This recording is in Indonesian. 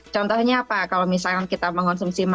contohnya apa kalau misalkan kita mengonsumsi makanan